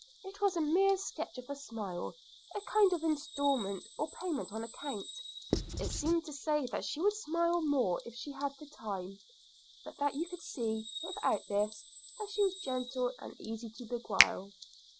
It was a mere sketch of a smile, a kind of instalment, or payment on account; it seemed to say that she would smile more if she had time, but that you could see, without this, that she was gentle and easy to beguile.